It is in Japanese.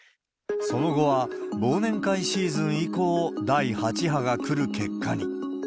その後は忘年会シーズン以降、第８波が来る結果に。